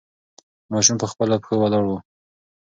ماشوم په خپلو پښو ولاړ و.